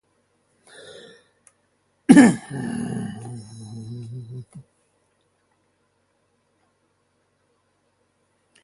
Bob purchases and logs off.